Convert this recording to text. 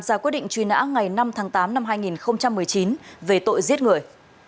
ra quyết định truy nã ngày năm tháng tám năm hai nghìn một mươi chín về tội giết người